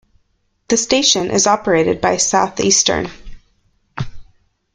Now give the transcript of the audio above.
The station is operated by Southeastern.